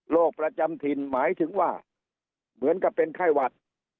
ประจำถิ่นหมายถึงว่าเหมือนกับเป็นไข้หวัด